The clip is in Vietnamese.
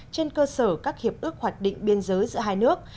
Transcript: trên cơ sở các hiệp ước hoạch định biên giới giữa hai nước